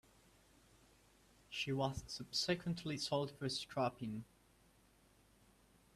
She was subsequently sold for scrapping.